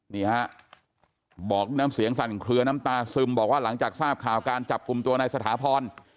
นี่ฮะบอกน้ำเสียงสั่นเคลือน้ำตาซึมบอกว่าหลังจากทราบข่าวการจับกลุ่มตัวในสถาพร